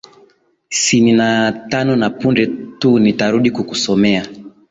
sini na tano na punde tu nitarudi kukusomea